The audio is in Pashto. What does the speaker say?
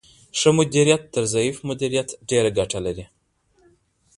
ښه مدیریت تر ضعیف مدیریت ډیره ګټه لري.